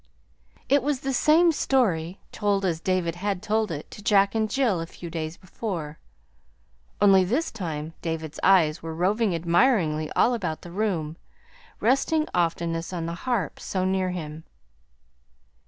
It was the same story, told as David had told it to Jack and Jill a few days before, only this time David's eyes were roving admiringly all about the room, resting oftenest on the harp so near him.